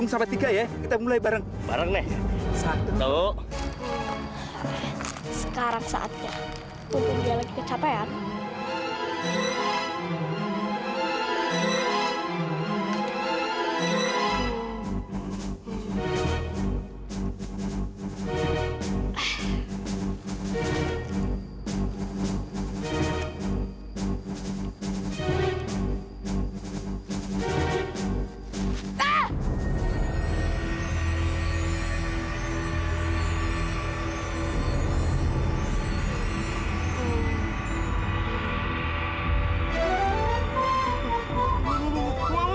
asalkan kamu mau pergi ninggalin hutan ini